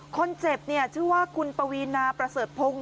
คนเจ็บเนี่ยชื่อว่าคุณปวีนาประเสริฐพงศ